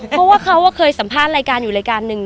เพราะว่าเขาเคยสัมภาษณ์รายการอยู่รายการหนึ่ง